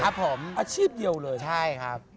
อาชีพเดียวเลย